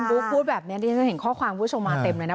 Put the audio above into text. คุณบุ๊คพูดแบบนี้ดิฉันเห็นข้อความบุ๊คชมมาเต็มเลยนะ